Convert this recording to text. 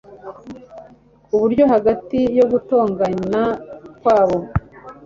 Ku buryo hagati yo gutongana kwabo